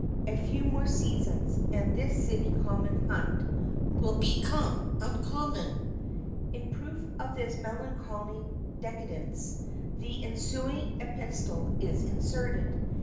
A few more seasons, and this City Common Hunt will become uncommon. In proof of this melancholy decadance, the ensuing epistle is inserted.